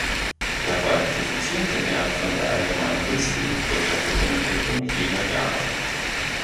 Dabei profitierte er von der allgemein günstigen wirtschaftlichen Entwicklung jener Jahre.